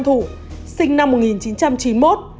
thủ sinh năm một nghìn chín trăm chín mươi một